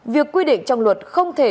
việc quy định trong luật không thể